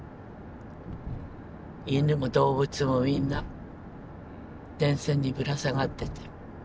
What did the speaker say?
犬も動物もみんな電線にぶら下がってて。